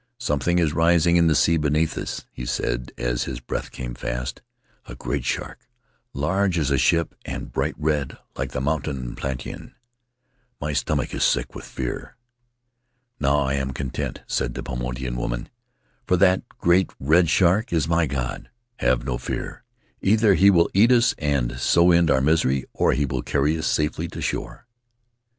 'Something is rising in the sea beneath us,' he said as his breath came fast — 'a great shark large as a ship and bright red like the mountain plantain. My stomach is sick with fear.' 'Now I am content,' said the Paumotuan woman, 'for that great red shark is my god. Have no fear — either he will eat us and so end our misery, or he will carry us safely to shore.